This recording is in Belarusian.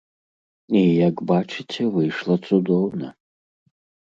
І як бачыце, выйшла цудоўна.